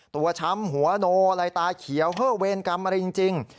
ช้ำหัวโนอะไรตาเขียวเฮ่อเวรกรรมอะไรจริง